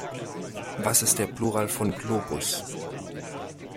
Was ist der Plural von Globus?